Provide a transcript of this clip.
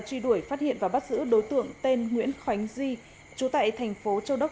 truy đuổi phát hiện và bắt giữ đối tượng tên nguyễn khánh di trú tại thành phố châu đốc